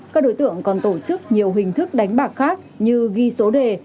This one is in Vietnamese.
các đối tượng còn tổ chức nhiều hình thức đánh bạc khác như ghi số đề